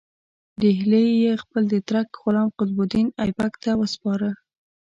ډهلی یې خپل ترک غلام قطب الدین ایبک ته وسپاره.